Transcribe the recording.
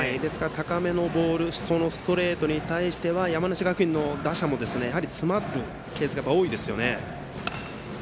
高めのボールストレートに対しては山梨学院の打者も詰まったケースが多いですよね。